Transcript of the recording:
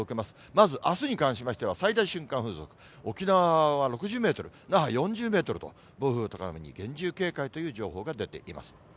まずあすに関しましては、最大瞬間風速、沖縄は６０メートル、那覇４０メートルという、暴風、高波に厳重警戒という情報が出ています。